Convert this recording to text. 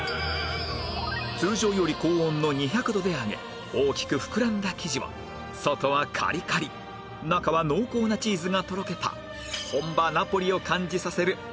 通常より高温の２００度で揚げ大きく膨らんだ生地は外はカリカリ中は濃厚なチーズがとろけた